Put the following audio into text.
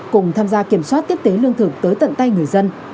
cùng tham gia kiểm soát tiếp tế lương thực tới tận tay người dân